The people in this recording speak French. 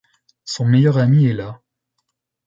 son meilleur ami est là